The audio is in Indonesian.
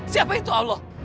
siapa itu allah